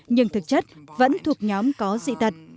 nhưng thực chất vẫn thuộc nhóm có dị tật